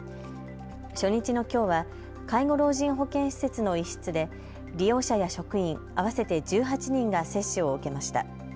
初日のきょうは介護老人保健施設の一室で利用者や職員、合わせて１８人が接種を受けました。